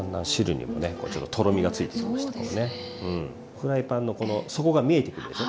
フライパンの底が見えてくるでしょ。